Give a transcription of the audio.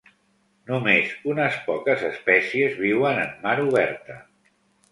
Només unes poques espècies viuen en mar oberta.